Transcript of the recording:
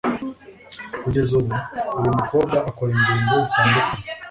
Kugeza ubu uyu mukobwa akora ingendo zitandukanye